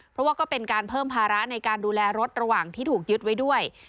เพราะว่าก็เป็นการเพิ่มภาระในการดูแลรถระหว่างที่ถูกยึดไว้ด้วย